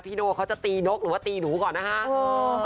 โนเขาจะตีนกหรือว่าตีหนูก่อนนะคะ